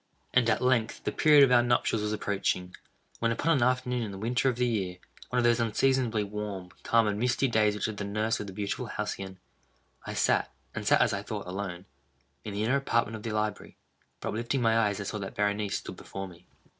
And at length the period of our nuptials was approaching, when, upon an afternoon in the winter of the year—one of those unseasonably warm, calm, and misty days which are the nurse of the beautiful Halcyon (*1),—I sat, (and sat, as I thought, alone,) in the inner apartment of the library. But, uplifting my eyes, I saw that Berenice stood before me.